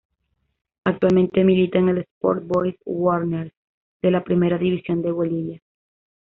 Actualmente milita en el Sport Boys Warnes de la Primera División de Bolivia.